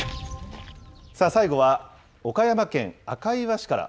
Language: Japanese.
さあ、最後は、岡山県赤磐市から。